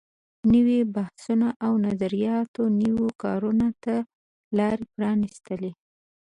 نويو بحثونو او نظریاتو نویو کارونو ته لارې پرانیستلې.